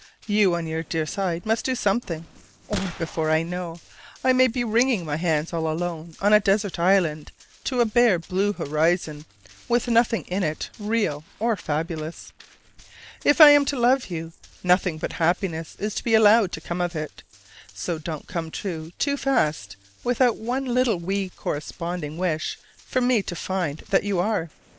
You on your dear side must do something: or, before I know, I may be wringing my hands all alone on a desert island to a bare blue horizon, with nothing in it real or fabulous. If I am to love you, nothing but happiness is to be allowed to come of it. So don't come true too fast without one little wee corresponding wish for me to find that you are!